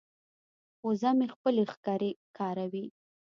وزه مې خپلې ښکرې کاروي.